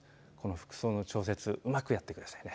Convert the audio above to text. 服装の調節、うまくやってくださいね。